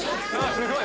すごい。